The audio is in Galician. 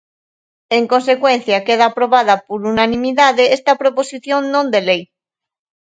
En consecuencia, queda aprobada por unanimidade esta proposición non de lei.